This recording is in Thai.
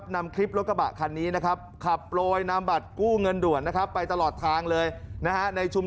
นำคลิปรถกระบะคันนี้